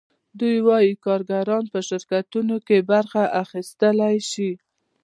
دوی وايي کارګران په شرکتونو کې برخه اخیستلی شي